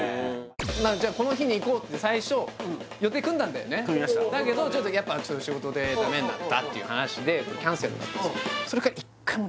この日に行こうって最初だけどちょっとやっぱ仕事でダメになったっていう話でキャンセルになったあれ？